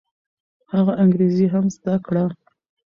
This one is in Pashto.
هغه انګریزي هم زده کړه.